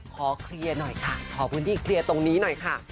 ขอเคลียร์หน่อยค่ะขอพื้นที่เคลียร์ตรงนี้หน่อยค่ะ